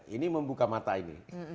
ini membuka mata ini